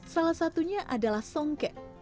salah satunya adalah songke